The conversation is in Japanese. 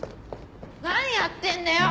何やってんだよ！